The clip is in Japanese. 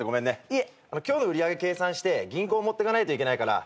今日の売り上げ計算して銀行持ってかないといけないから。